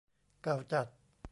เก่าจัด